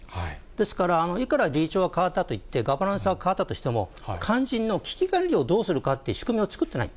ですから、いくら理事長が代わったといって、ガバナンスが変わったとしても、肝心の危機管理をどうするかっていう仕組みを作っていない。